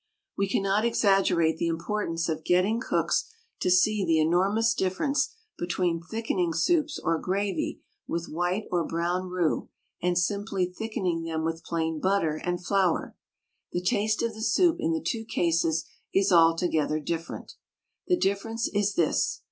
We cannot exaggerate the importance of getting cooks to see the enormous difference between thickening soups or gravy with white or brown roux and simply thickening them with plain butter and flour. The taste of the soup in the two cases is altogether different. The difference is this.